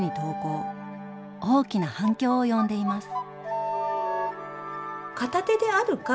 大きな反響を呼んでいます。